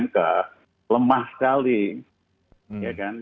karena itu tidak lemah sekali